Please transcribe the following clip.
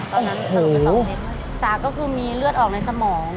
ตอนนั้นสรุปไปสองเมตรจากก็คือมีเลือดออกในสมอง